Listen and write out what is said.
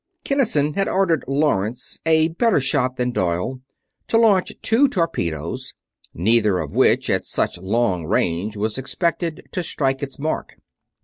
Kinnison had ordered Lawrence, a better shot than Doyle, to launch two torpedoes; neither of which, at such long range, was expected to strike its mark.